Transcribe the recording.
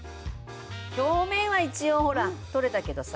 表面は一応ほら取れたけどさ。